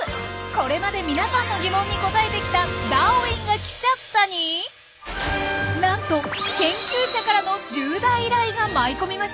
これまで皆さんの疑問に答えてきた「ダーウィンが来ちゃった！」になんと研究者からの重大依頼が舞い込みました！